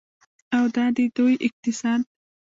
او دا دی د دوی اقتصاد.